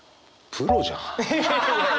プロじゃん！